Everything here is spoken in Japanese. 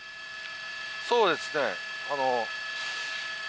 そうですね。